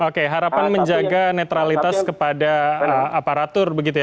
oke harapan menjaga netralitas kepada aparatur begitu ya